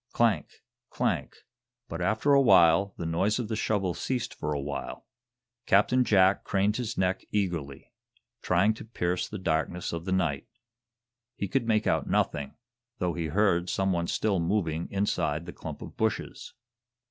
Clank! clank! But after a while the noise of the shovel ceased for a while. Captain Jack craned his neck eagerly, trying to pierce the darkness of the night. He could make out nothing, though he heard some one still moving inside the clump of bushes.